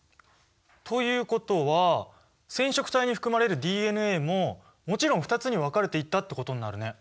ということは染色体に含まれるＤＮＡももちろん２つに分かれていったってことになるね。